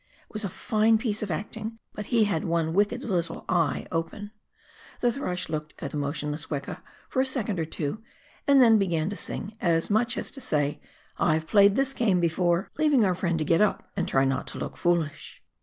It was a fine piece of acting, but he had one wicked little eye open. The thrush looked at the motion less weka for a second or two, and then began to sing, as much as to say, " I've played this game before !" leaving our friend to get up and try not to look foolish.